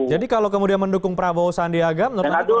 jadi kalau kemudian mendukung prabowo sandi agam